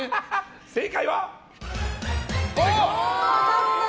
正解は丸。